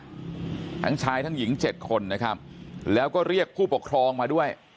ทั้งชายทั้งหญิงเจ็ดคนนะครับแล้วก็เรียกผู้ปกครองมาด้วย